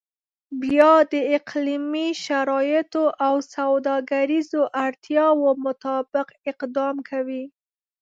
بیا د اقلیمي شرایطو او سوداګریزو اړتیاو مطابق اقدام کوي.